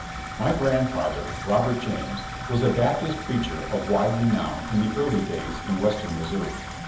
M Y grandfather, Robert James, was a Baptist preacher of wide renown in the early days in Western Missouri.